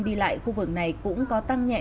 đi lại khu vực này cũng có tăng nhẹ